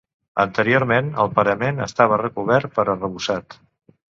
Anteriorment el parament estava recobert per arrebossat.